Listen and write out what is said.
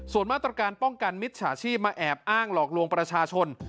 ส่วนมาตรการป้องกันมิจฉาชีพมาแอบอ้างหลอกลวงประชาชน